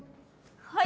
はい！